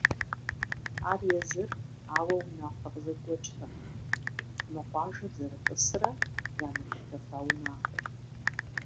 Ар езыр ауэ унафэ къызэрыгуэкӏтэкъым — мы къуажэр зэрытӏысрэ ямыкъутэфа унафэт.